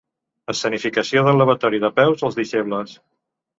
Escenificació del lavatori de peus als deixebles.